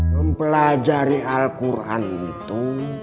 mempelajari al quran itu